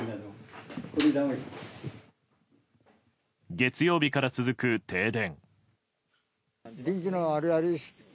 月曜日から続く停電。